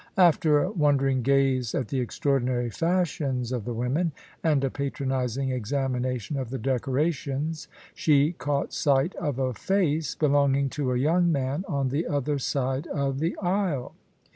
After a wondering gaze at the extraordinary fashions of the women, and a patronising examination of the decorations, she caught sight of a face belonging to a young man on the other side of the aisle.